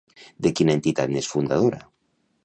De quina entitat n'és fundadora?